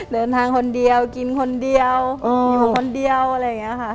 เดินทางคนเดียวกินคนเดียวอยู่คนเดียวอะไรอย่างนี้ค่ะ